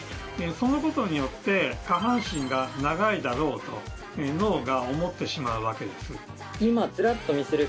そのことによって下半身が長いだろうと脳が思ってしまうわけです。